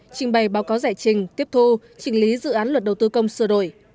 trình bày báo cáo giải trình tiếp thu trình lý dự án luật đầu tư công sửa đổi